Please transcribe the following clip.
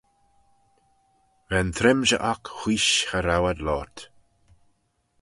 Va'n trimshey oc wheesh cha row ad loayrt.